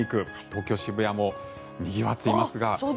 東京・渋谷もにぎわっていますが。